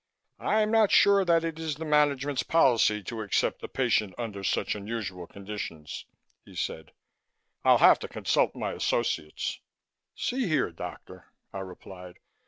"I'm not sure that it is the management's policy to accept a patient under such unusual conditions," he said. "I'll have to consult my associates." "See here, doctor," I replied.